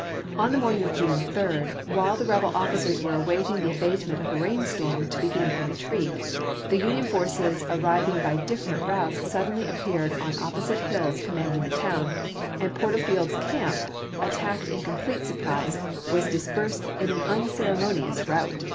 On the morning of June 3, while the rebel officers were awaiting the abatement of a rain storm to begin a retreat, the Union forces arriving by differ ent routes suddenly appeared on opposite hills commanding the town, and Porterfield's camp, at tacked in a complete surprise, was dispersed in an unceremonious rout.